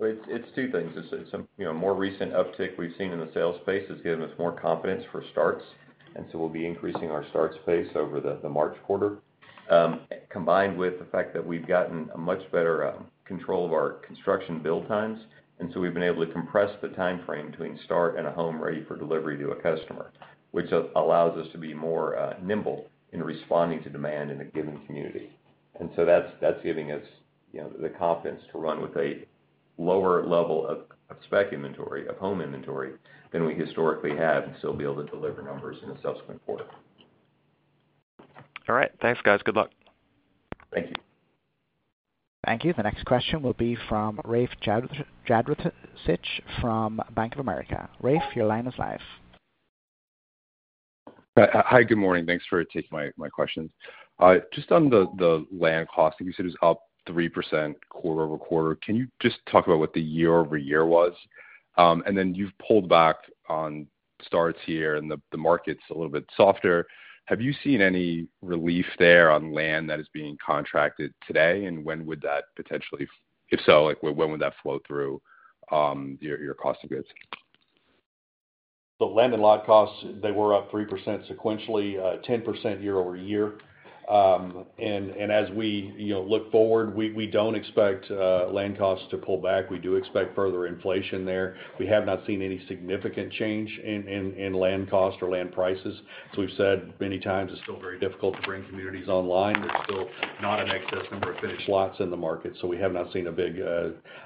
It's two things. It's a more recent uptick we've seen in the sales space has given us more confidence for starts. We'll be increasing our starts pace over the March quarter, combined with the fact that we've gotten a much better control of our construction build times. We've been able to compress the timeframe between start and a home ready for delivery to a customer, which allows us to be more nimble in responding to demand in a given community. That's giving us the confidence to run with a lower level of spec inventory, of home inventory than we historically had, and still be able to deliver numbers in a subsequent quarter. All right. Thanks, guys. Good luck. Thank you. Thank you. The next question will be from Rafe Jadrosich from Bank of America. Rafe, your line is live. Hi. Good morning. Thanks for taking my questions. Just on the land cost, you said it was up 3% quarter-over-quarter. Can you just talk about what the year-over-year was? You have pulled back on starts here, and the market's a little bit softer. Have you seen any relief there on land that is being contracted today, and when would that potentially, if so, when would that flow through your cost of goods? The land and lot costs, they were up 3% sequentially, 10% year-over-year. As we look forward, we do not expect land costs to pull back. We do expect further inflation there. We have not seen any significant change in land cost or land prices. As we have said many times, it is still very difficult to bring communities online. There is still not an excess number of finished lots in the market, so we have not seen a big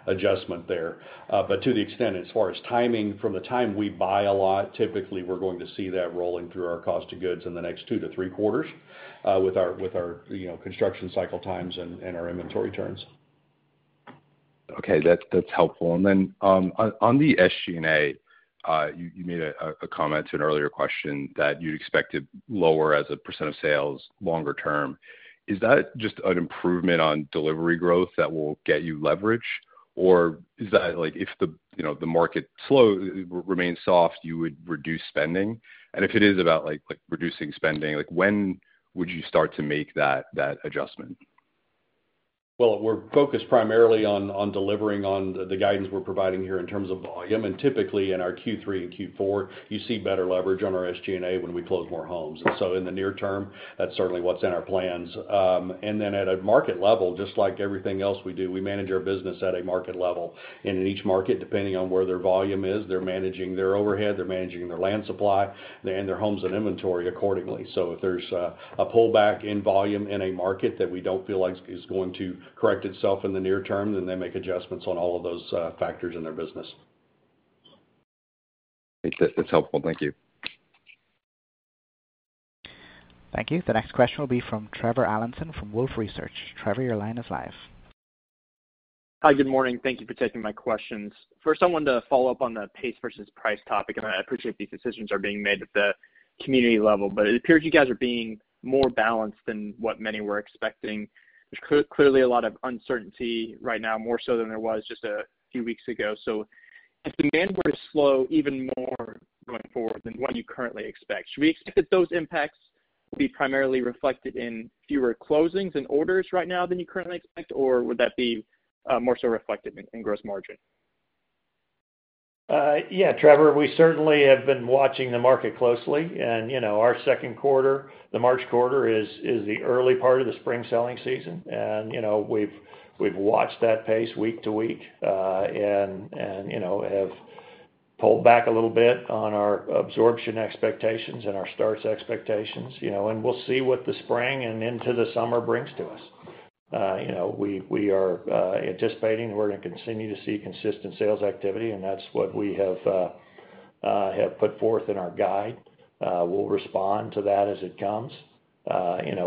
adjustment there. To the extent, as far as timing, from the time we buy a lot, typically we are going to see that rolling through our cost of goods in the next two to three quarters with our construction cycle times and our inventory turns. Okay. That's helpful. On the SG&A, you made a comment to an earlier question that you'd expect it lower as a percent of sales longer term. Is that just an improvement on delivery growth that will get you leverage, or is that if the market remains soft, you would reduce spending? If it is about reducing spending, when would you start to make that adjustment? We're focused primarily on delivering on the guidance we're providing here in terms of volume. Typically, in our Q3 and Q4, you see better leverage on our SG&A when we close more homes. In the near term, that's certainly what's in our plans. At a market level, just like everything else we do, we manage our business at a market level. In each market, depending on where their volume is, they're managing their overhead, they're managing their land supply, and their homes and inventory accordingly. If there's a pullback in volume in a market that we don't feel like is going to correct itself in the near term, they make adjustments on all of those factors in their business. That's helpful. Thank you. Thank you. The next question will be from Trevor Allinson from Wolfe Research. Trevor, your line is live. Hi. Good morning. Thank you for taking my questions. First, I wanted to follow up on the pace versus price topic, and I appreciate these decisions are being made at the community level, but it appears you guys are being more balanced than what many were expecting. There's clearly a lot of uncertainty right now, more so than there was just a few weeks ago. If demand were to slow even more going forward than what you currently expect, should we expect that those impacts will be primarily reflected in fewer closings and orders right now than you currently expect, or would that be more so reflected in gross margin? Yeah, Trevor, we certainly have been watching the market closely. Our second quarter, the March quarter, is the early part of the spring selling season. We have watched that pace week to week and have pulled back a little bit on our absorption expectations and our starts expectations. We will see what the spring and into the summer brings to us. We are anticipating we are going to continue to see consistent sales activity, and that is what we have put forth in our guide. We will respond to that as it comes.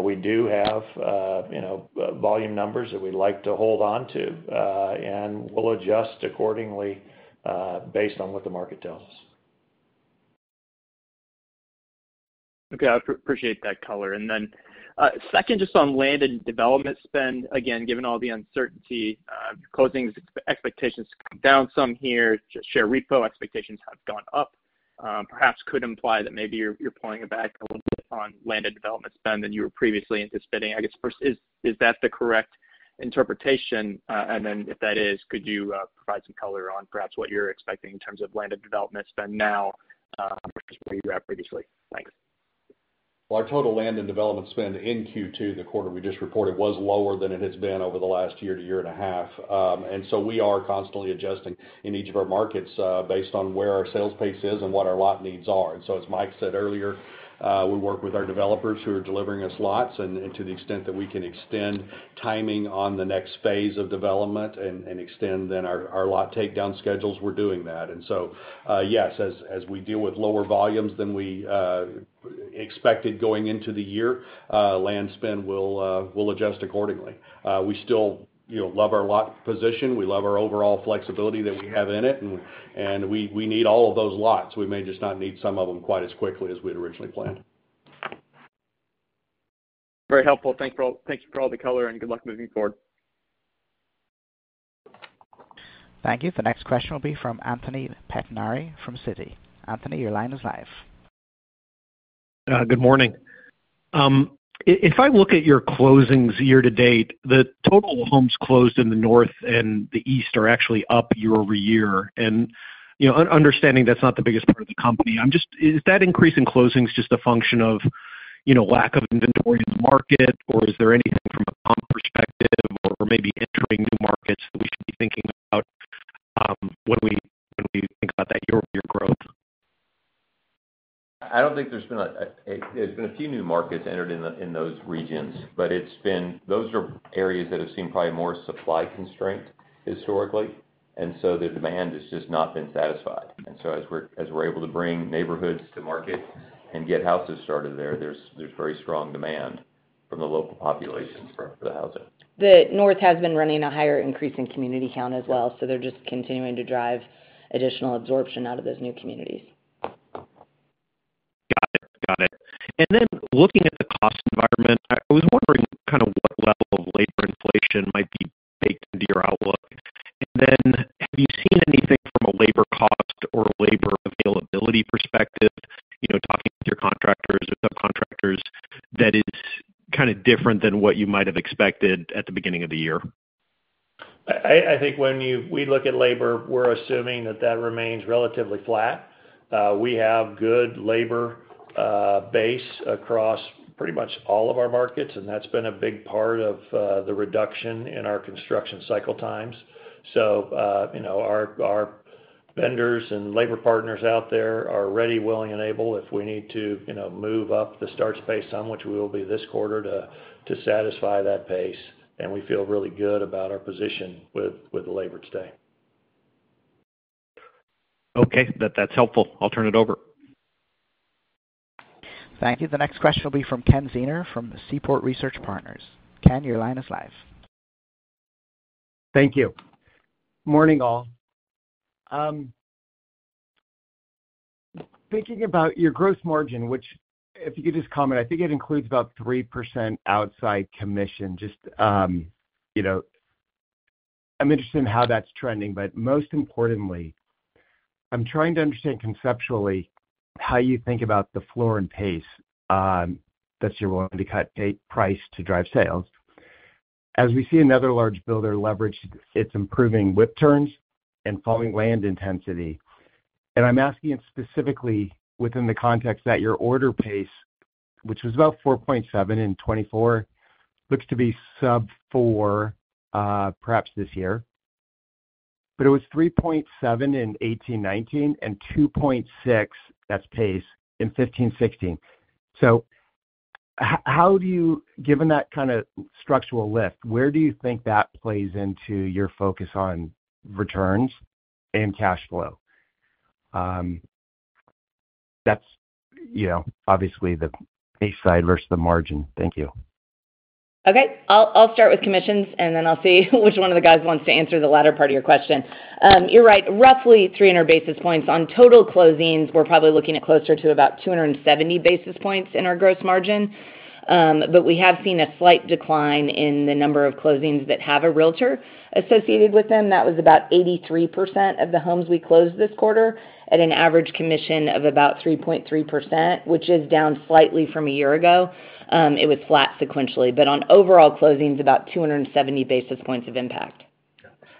We do have volume numbers that we would like to hold on to, and we will adjust accordingly based on what the market tells us. Okay. I appreciate that color. Second, just on land and development spend, again, given all the uncertainty, closings expectations down some here, share repo expectations have gone up. Perhaps could imply that maybe you're pulling back a little bit on land and development spend than you were previously anticipating. I guess, first, is that the correct interpretation? If that is, could you provide some color on perhaps what you're expecting in terms of land and development spend now versus where you were at previously? Thanks. Our total land and development spend in Q2, the quarter we just reported, was lower than it has been over the last year to year and a half. We are constantly adjusting in each of our markets based on where our sales pace is and what our lot needs are. As Mike said earlier, we work with our developers who are delivering us lots. To the extent that we can extend timing on the next phase of development and extend then our lot takedown schedules, we are doing that. Yes, as we deal with lower volumes than we expected going into the year, land spend will adjust accordingly. We still love our lot position. We love our overall flexibility that we have in it, and we need all of those lots. We may just not need some of them quite as quickly as we'd originally planned. Very helpful. Thank you for all the color, and good luck moving forward. Thank you. The next question will be from Anthony Pettinari from Citi. Anthony, your line is live. Good morning. If I look at your closings year to date, the total homes closed in the North and the East are actually up year-over-year. Understanding that's not the biggest part of the company, is that increase in closings just a function of lack of inventory in the market, or is there anything from a comp perspective or maybe entering new markets that we should be thinking about when we think about that year-over-year growth? I don't think there's been a few new markets entered in those regions, but those are areas that have seen probably more supply constraint historically. The demand has just not been satisfied. As we're able to bring neighborhoods to market and get houses started there, there's very strong demand from the local populations for the housing. The North has been running a higher increase in community count as well, so they're just continuing to drive additional absorption out of those new communities. Got it. Got it. Looking at the cost environment, I was wondering kind of what level of labor inflation might be baked into your outlook. Have you seen anything from a labor cost or labor availability perspective, talking with your contractors or subcontractors, that is kind of different than what you might have expected at the beginning of the year? I think when we look at labor, we're assuming that that remains relatively flat. We have good labor base across pretty much all of our markets, and that's been a big part of the reduction in our construction cycle times. Our vendors and labor partners out there are ready, willing, and able if we need to move up the starts pace some, which we will be this quarter, to satisfy that pace. We feel really good about our position with the labor today. Okay. That's helpful. I'll turn it over. Thank you. The next question will be from Ken Zener from Seaport Research Partners. Ken, your line is live. Thank you. Morning, all. Thinking about your gross margin, which, if you could just comment, I think it includes about 3% outside commission. I am interested in how that's trending, but most importantly, I am trying to understand conceptually how you think about the floor and pace that you're willing to cut price to drive sales. As we see another large builder leverage its improving WIP turns and falling land intensity, I am asking specifically within the context that your order pace, which was about 4.7 in 2024, looks to be sub-4 perhaps this year, but it was 3.7 in 2018, 2019, and 2.6, that's pace, in 2015, 2016. Given that kind of structural lift, where do you think that plays into your focus on returns and cash flow? That's obviously the pace side versus the margin. Thank you. Okay. I'll start with commissions, and then I'll see which one of the guys wants to answer the latter part of your question. You're right. Roughly 300 basis points. On total closings, we're probably looking at closer to about 270 basis points in our gross margin. We have seen a slight decline in the number of closings that have a realtor associated with them. That was about 83% of the homes we closed this quarter at an average commission of about 3.3%, which is down slightly from a year ago. It was flat sequentially. On overall closings, about 270 basis points of impact.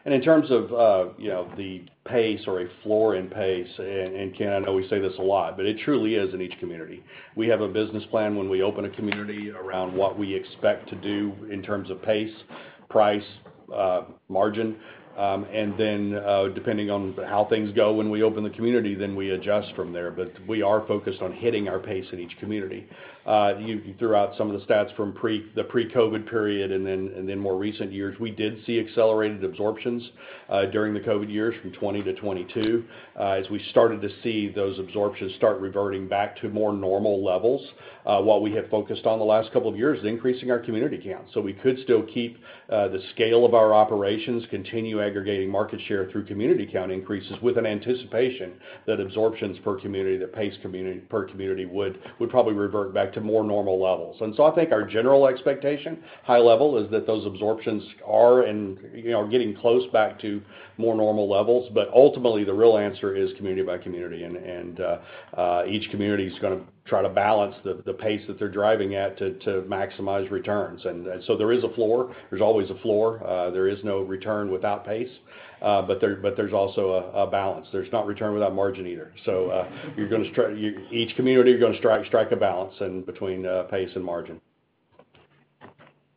In terms of the pace or a floor and pace, Ken, I know we say this a lot, but it truly is in each community. We have a business plan when we open a community around what we expect to do in terms of pace, price, margin. Depending on how things go when we open the community, we adjust from there. We are focused on hitting our pace in each community. Throughout some of the stats from the pre-COVID period and then more recent years, we did see accelerated absorptions during the COVID years from 2020 to 2022 as we started to see those absorptions start reverting back to more normal levels, while we have focused on the last couple of years increasing our community count. We could still keep the scale of our operations, continue aggregating market share through community count increases with an anticipation that absorptions per community, the pace per community, would probably revert back to more normal levels. I think our general expectation, high level, is that those absorptions are getting close back to more normal levels. Ultimately, the real answer is community by community, and each community is going to try to balance the pace that they're driving at to maximize returns. There is a floor. There's always a floor. There is no return without pace, but there's also a balance. There's not return without margin either. Each community is going to strike a balance between pace and margin.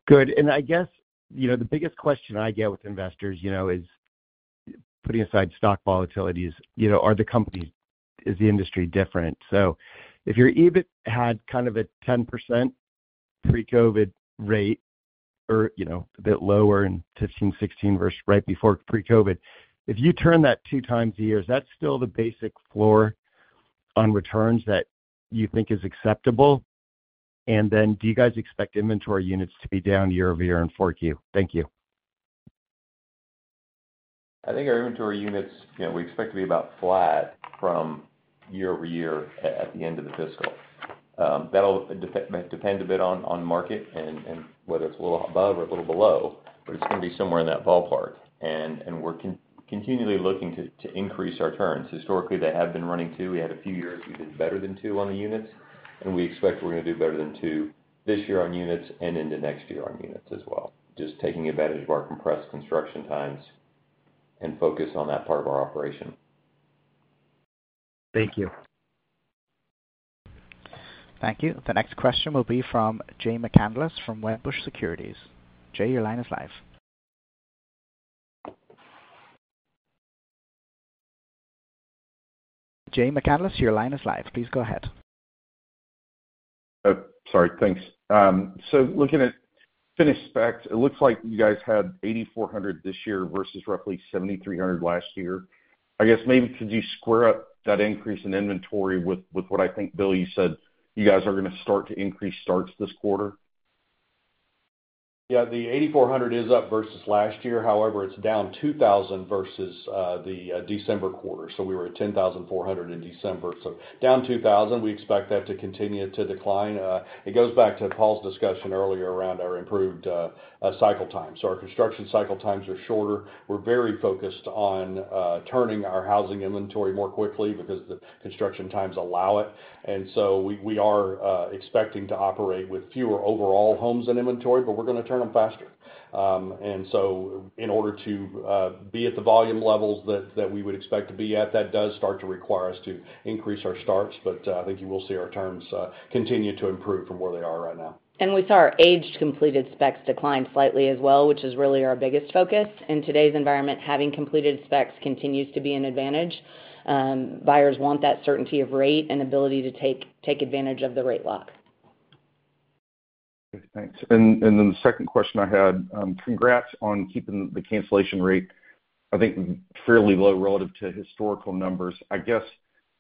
Good. I guess the biggest question I get with investors is, putting aside stock volatilities, are the companies, is the industry different? If you had kind of a 10% pre-COVID rate or a bit lower in 2015, 2016 versus right before pre-COVID, if you turn that two times a year, is that still the basic floor on returns that you think is acceptable? Do you guys expect inventory units to be down year-over-year in fourth quarter? Thank you. I think our inventory units, we expect to be about flat from year-over-year at the end of the fiscal. That'll depend a bit on market and whether it's a little above or a little below, but it's going to be somewhere in that ballpark. We're continually looking to increase our turns. Historically, they have been running two. We had a few years we did better than two on the units, and we expect we're going to do better than two this year on units and into next year on units as well, just taking advantage of our compressed construction times and focus on that part of our operation. Thank you. Thank you. The next question will be from Jay McCanless from Wedbush Securities. Jay, your line is live. Jay McCanless, your line is live. Please go ahead. Sorry. Thanks. Looking at finished specs, it looks like you guys had 8,400 this year versus roughly 7,300 last year. I guess maybe could you square up that increase in inventory with what I think, Bill, you said you guys are going to start to increase starts this quarter? Yeah. The 8,400 is up versus last year. However, it's down 2,000 versus the December quarter. We were at 10,400 in December. Down 2,000, we expect that to continue to decline. It goes back to Paul's discussion earlier around our improved cycle time. Our construction cycle times are shorter. We're very focused on turning our housing inventory more quickly because the construction times allow it. We are expecting to operate with fewer overall homes in inventory, but we're going to turn them faster. In order to be at the volume levels that we would expect to be at, that does start to require us to increase our starts. I think you will see our terms continue to improve from where they are right now. We saw our aged completed specs decline slightly as well, which is really our biggest focus. In today's environment, having completed specs continues to be an advantage. Buyers want that certainty of rate and ability to take advantage of the rate lock. Thanks. The second question I had, congrats on keeping the cancellation rate, I think, fairly low relative to historical numbers. I guess,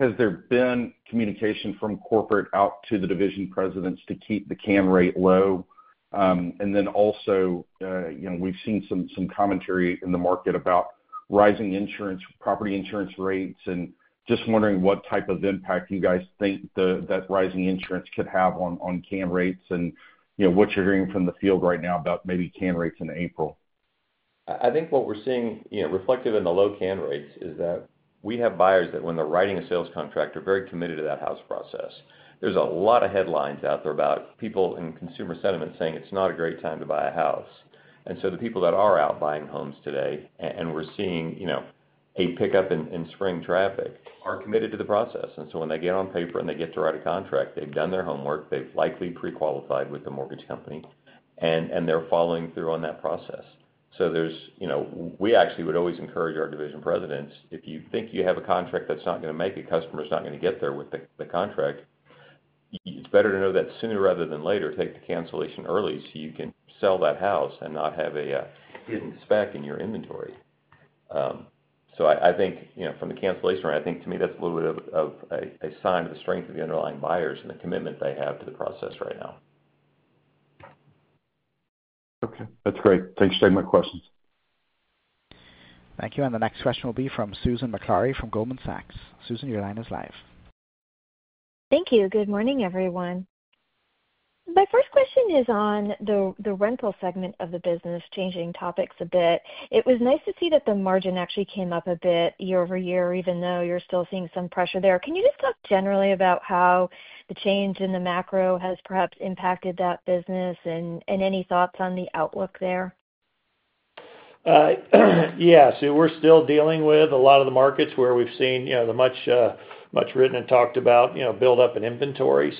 has there been communication from corporate out to the division presidents to keep the can rate low? Also, we've seen some commentary in the market about rising insurance, property insurance rates, and just wondering what type of impact you guys think that rising insurance could have on can rates and what you're hearing from the field right now about maybe can rates in April. I think what we're seeing reflective in the low cancellation rates is that we have buyers that when they're writing a sales contract, they're very committed to that house process. There's a lot of headlines out there about people and consumer sentiment saying it's not a great time to buy a house. The people that are out buying homes today, and we're seeing a pickup in spring traffic, are committed to the process. When they get on paper and they get to write a contract, they've done their homework. They've likely pre-qualified with the mortgage company, and they're following through on that process. We actually would always encourage our division presidents, if you think you have a contract that's not going to make it, customer's not going to get there with the contract, it's better to know that sooner rather than later, take the cancellation early so you can sell that house and not have a hidden spec in your inventory. I think from the cancellation rate, I think to me that's a little bit of a sign of the strength of the underlying buyers and the commitment they have to the process right now. Okay. That's great. Thanks for taking my questions. Thank you. The next question will be from Susan Maklari from Goldman Sachs. Susan, your line is live. Thank you. Good morning, everyone. My first question is on the rental segment of the business, changing topics a bit. It was nice to see that the margin actually came up a bit year-over-year, even though you're still seeing some pressure there. Can you just talk generally about how the change in the macro has perhaps impacted that business and any thoughts on the outlook there? Yeah. We are still dealing with a lot of the markets where we have seen the much written and talked about build-up in inventory.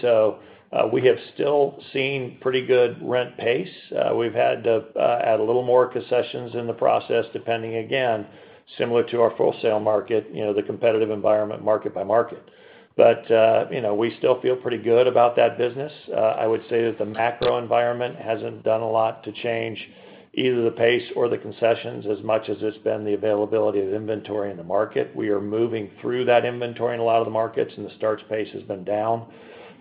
We have still seen pretty good rent pace. We have had to add a little more concessions in the process, depending, again, similar to our wholesale market, the competitive environment, market by market. We still feel pretty good about that business. I would say that the macro environment has not done a lot to change either the pace or the concessions as much as it has been the availability of inventory in the market. We are moving through that inventory in a lot of the markets, and the starts pace has been down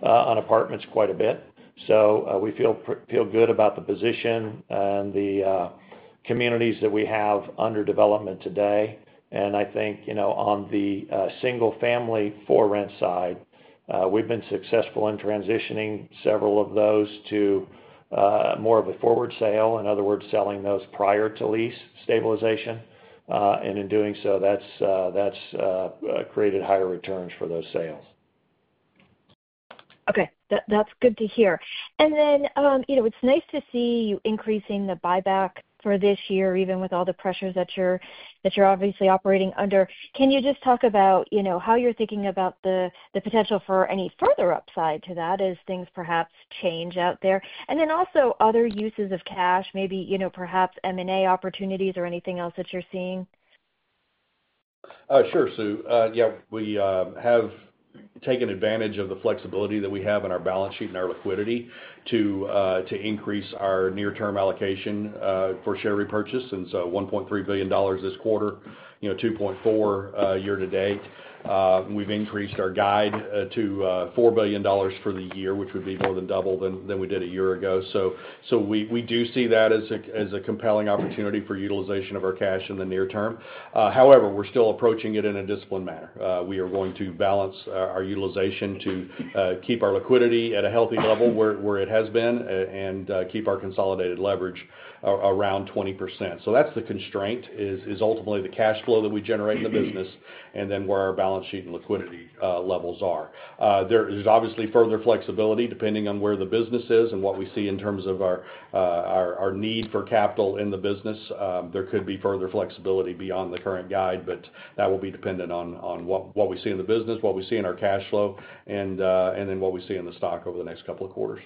on apartments quite a bit. We feel good about the position and the communities that we have under development today. I think on the single-family for rent side, we've been successful in transitioning several of those to more of a forward sale, in other words, selling those prior to lease stabilization. In doing so, that's created higher returns for those sales. Okay. That's good to hear. It is nice to see you increasing the buyback for this year, even with all the pressures that you're obviously operating under. Can you just talk about how you're thinking about the potential for any further upside to that as things perhaps change out there? Also, other uses of cash, maybe perhaps M&A opportunities or anything else that you're seeing? Sure. Yeah, we have taken advantage of the flexibility that we have in our balance sheet and our liquidity to increase our near-term allocation for share repurchase. $1.3 billion this quarter, $2.4 billion year to date. We've increased our guide to $4 billion for the year, which would be more than double what we did a year ago. We do see that as a compelling opportunity for utilization of our cash in the near term. However, we're still approaching it in a disciplined manner. We are going to balance our utilization to keep our liquidity at a healthy level where it has been and keep our consolidated leverage around 20%. That's the constraint, is ultimately the cash flow that we generate in the business and then where our balance sheet and liquidity levels are. There's obviously further flexibility depending on where the business is and what we see in terms of our need for capital in the business. There could be further flexibility beyond the current guide, but that will be dependent on what we see in the business, what we see in our cash flow, and then what we see in the stock over the next couple of quarters.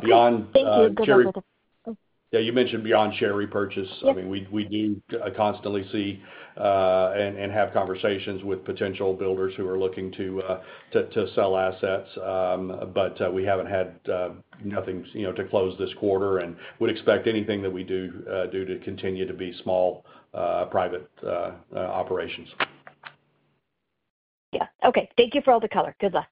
Beyond. Thank you. Goodluck. Yeah. You mentioned beyond share repurchase. I mean, we do constantly see and have conversations with potential builders who are looking to sell assets, but we have had nothing to close this quarter and would expect anything that we do to continue to be small private operations. Yeah. Okay. Thank you for all the color. Good luck.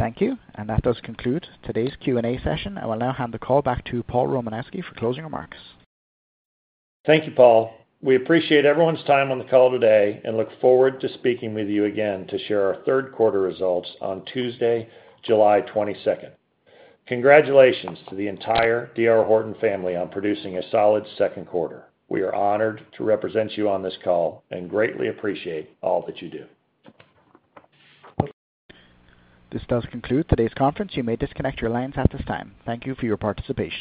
Thank you. That does conclude today's Q&A session. I will now hand the call back to Paul Romanowski for closing remarks. Thank you, Paul. We appreciate everyone's time on the call today and look forward to speaking with you again to share our third quarter results on Tuesday, July 22nd. Congratulations to the entire D.R. Horton family on producing a solid second quarter. We are honored to represent you on this call and greatly appreciate all that you do. This does conclude today's conference. You may disconnect your lines at this time. Thank you for your participation.